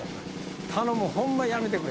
頼むホンマやめてくれ。